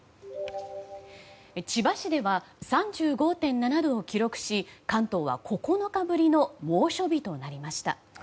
千葉市では３５．７度を記録し関東は９日ぶりの猛暑日となりました。